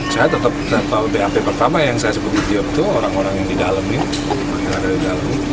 saya tetap sampai pertama yang saya sebut idiot itu orang orang yang di dalam ini